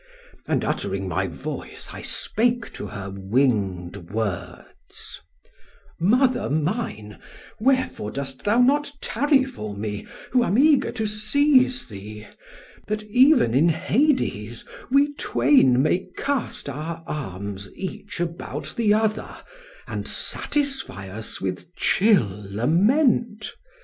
And uttering my voice I spake to her winged words: "'Mother mine, wherefore dost thou not tarry for me who am eager to seize thee, that even in Hades we twain may cast our arms each about the other, and satisfy us with chill lament?